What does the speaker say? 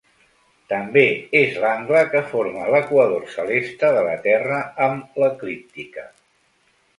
També és l'angle que forma l'equador celeste de la Terra amb l'eclíptica.